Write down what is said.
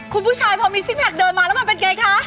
คุณผู้ชายพอมีซิกแพคเดินมาแล้วมันเป็นไงคะ